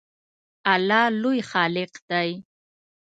الله لوی خالق دی